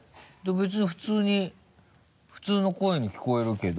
別に普通に普通の声に聞こえるけど。